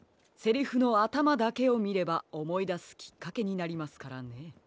セリフのあたまだけをみればおもいだすきっかけになりますからね。